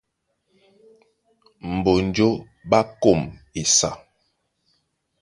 Mbonjó ɓá kôm esa,